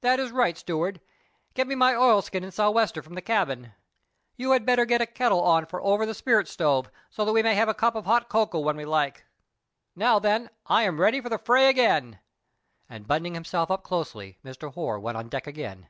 "That is right, steward, get me my oilskin and sou' wester from the cabin. You had better get a kettle on over the spirit stove, so that we can have a cup of hot cocoa when we like. Now, then, I am ready for the fray again!" and buttoning himself closely up Mr. Hoare went on deck again.